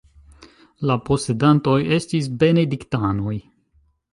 La posedantoj estis benediktanoj.